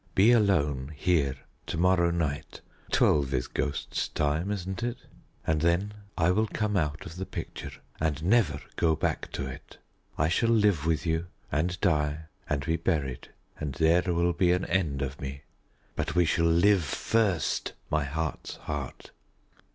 "Be alone here to morrow night twelve is ghost's time, isn't it? and then I will come out of the picture and never go back to it. I shall live with you, and die, and be buried, and there will be an end of me. But we shall live first, my heart's heart."